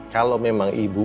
kalau memang ibu